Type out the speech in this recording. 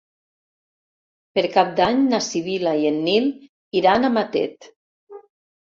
Per Cap d'Any na Sibil·la i en Nil iran a Matet.